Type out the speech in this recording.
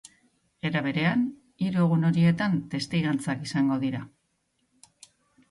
Era berean, hiru egun horietan testigantzak izango dira.